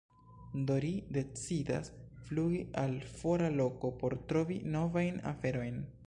Do ri decidas flugi al fora loko por trovi novajn aferojn.